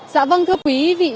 dạ vâng thưa quý vị